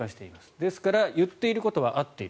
ですから言っていることは合っている。